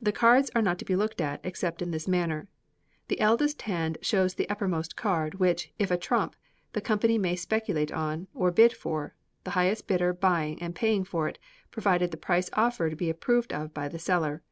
The cards are not to be looked at, except in this manner: The eldest hand shows the uppermost card, which, if a trump, the company may speculate on, or bid for the highest bidder buying and paying for it, provided the price offered be approved of by the seller.